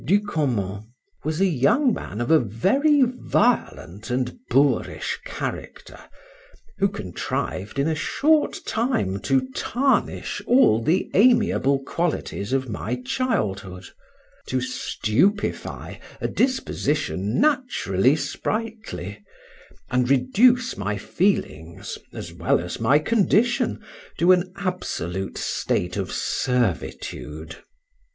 Ducommon, was a young man of a very violent and boorish character, who contrived in a short time to tarnish all the amiable qualities of my childhood, to stupefy a disposition naturally sprightly, and reduce my feelings, as well as my condition, to an absolute state of servitude.